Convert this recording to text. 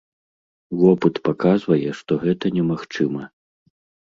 Вопыт паказвае, што гэта немагчыма.